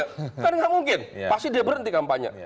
kan nggak mungkin pasti dia berhenti kampanye